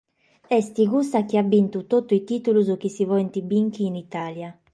Est cussa chi at bìnchidu totu is tìtulos chi si podent bìnchere in Italia.